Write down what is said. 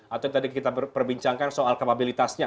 atau tadi kita perbincangkan soal kapabilitasnya